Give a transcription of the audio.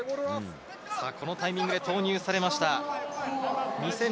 このタイミングで投入されました。